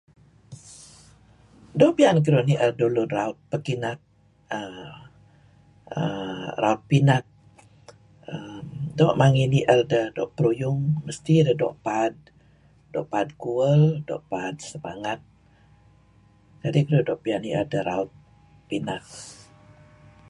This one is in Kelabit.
Doo' piyan keduih nier dulun raut pinat uhm raut pinat uhm doo' mangey nier deh naru' peruyung dih deh doo' paad. Doo' pad kuel, doo' paad semangat. Kadi' keduih doo' piyan nier raut pinat.